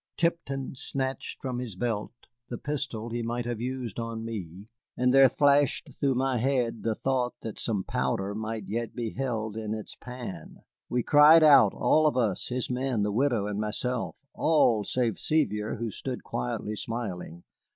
Tipton snatched from his belt the pistol which he might have used on me, and there flashed through my head the thought that some powder might yet be held in its pan. We cried out, all of us, his men, the widow, and myself, all save Sevier, who stood quietly, smiling.